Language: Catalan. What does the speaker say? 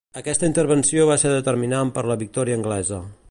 Aquesta intervenció va ser determinant per a la victòria anglesa.